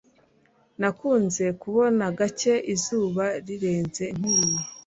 Nakunze kubona gake izuba rirenze nkiyi.